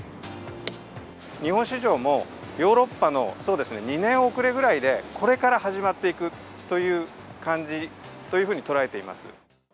日本市場も、ヨーロッパのそうですね、２年遅れぐらいで、これから始まっていくという感じというふうに捉えています。